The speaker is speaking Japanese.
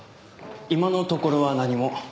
今のところは何も。